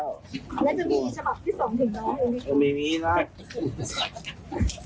คุณเขียนนี่คุณอยากเขียน